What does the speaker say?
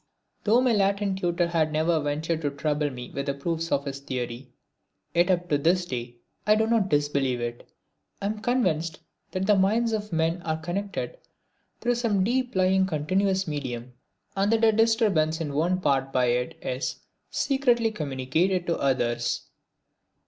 Though my Latin tutor had never ventured to trouble me with the proofs of his theory, yet up to this day I do not disbelieve it. I am convinced that the minds of men are connected through some deep lying continuous medium, and that a disturbance in one part is by it secretly communicated to others.